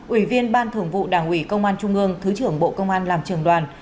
ủy viên ban thường vụ đảng ủy công an trung ương thứ trưởng bộ công an làm trường đoàn